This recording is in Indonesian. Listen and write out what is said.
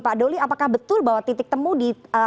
pak doli apakah betul bahwa titik temu di